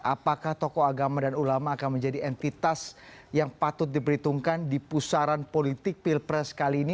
apakah tokoh agama dan ulama akan menjadi entitas yang patut diperhitungkan di pusaran politik pilpres kali ini